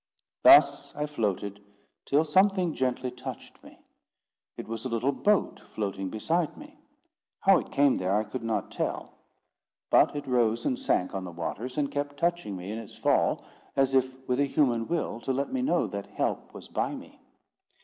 Thus I floated, till something gently touched me. It was a little boat floating beside me. How it came there I could not tell; but it rose and sank on the waters, and kept touching me in its fall, as if with a human will to let me know that help was by me.